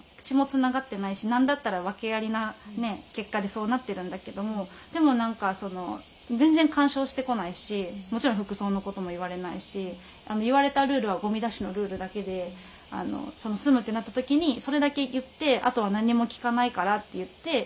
血もつながってないし何だったら訳ありな結果でそうなってるんだけどもでも何か全然干渉してこないしもちろん服装のことも言われないし言われたルールはゴミ出しのルールだけで住むってなった時にそれだけ言って「あとは何にも聞かないから」って言って。